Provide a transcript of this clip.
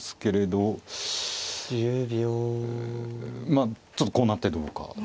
まあちょっとこうなってどうかですね。